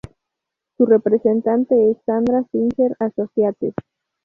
Su representante es Sandra Singer Associates.